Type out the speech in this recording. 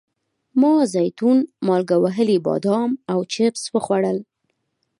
ما زیتون، مالګه وهلي بادام او چپس وخوړل.